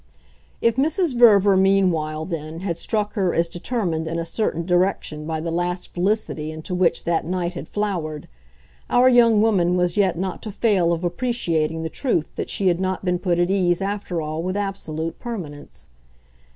If Mrs. Verver meanwhile, then, had struck her as determined in a certain direction by the last felicity into which that night had flowered, our young woman was yet not to fail of appreciating the truth that she had not been put at ease, after all, with absolute permanence.